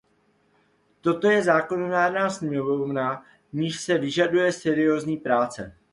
Toto je zákonodárná sněmovna, v níž se vyžaduje seriózní práce!